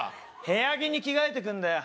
部屋着に着替えてくんだよ